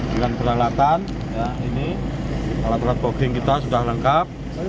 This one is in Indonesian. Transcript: dengan peralatan alat alat bogging kita sudah lengkap